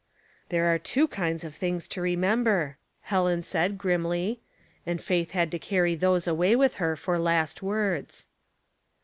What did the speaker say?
''There are two kinds of things to remember,* Helen said, grimly; and Faith had to carry those away with her for last words.